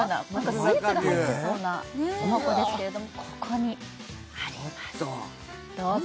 スイーツが入ってそうなお箱ですけれどもここにあります